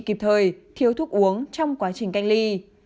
kịp thời thiếu thuốc uống trong quá trình cách ly